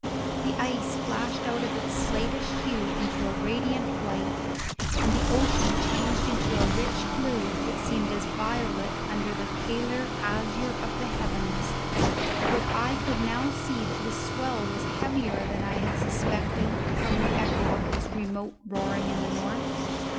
The ice flashed out of its slatish hue into a radiant white, the ocean changed into a rich blue that seemed as violet under the paler azure of the heavens; but I could now see that the swell was heavier than I had suspected from the echo of its remote roaring in the north.